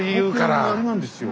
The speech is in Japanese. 僕あれなんですよ。